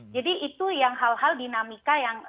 jadi itu yang hal hal dinamika yang